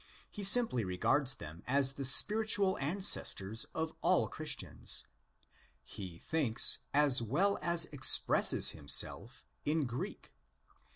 He simply regards them as the spiritual ancestors of all Christians. He thinks as well as expresses himself in Greek.